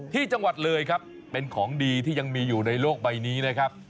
ที่จังหวัดเลยครับเป็นของดีที่ยังมีอยู่ในโลกใบนี้นะครับ